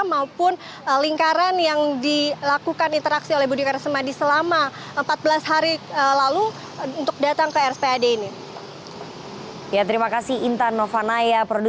maupun lingkaran yang dilakukan interaksi oleh budi karya sumadi